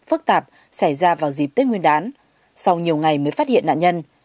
phức tạp xảy ra vào dịp tết nguyên đán sau nhiều ngày mới phát hiện nạn nhân